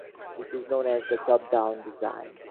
This is known as top down design.